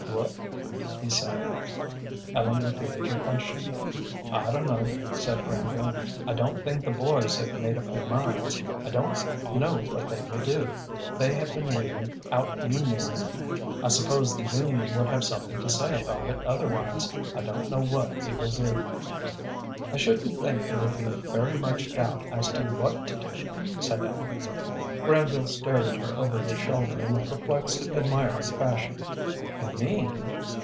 "What?" he said. Ellen repeated her question. "I don't know," said Granville. "I don't think the boys have made up their minds. I don't know what they will do. They have been weeding out union men. I suppose the union would have something to say about it otherwise. I don't know what we will do." "I shouldn't think there would be very much doubt as to what to do," said Ellen. Granville stared at her over his shoulder in a perplexed, admiring fashion. "You mean